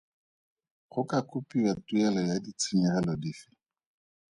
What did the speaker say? Go ka kopiwa tuelo ya ditshenyegelo dife?